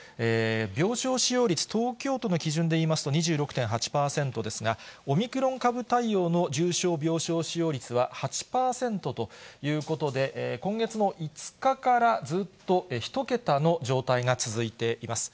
病床使用率、東京都の基準で言いますと２６．８％ですが、オミクロン株対応の重症病床使用率は８％ということで、今月の５日からずっと１桁の状況が続いています。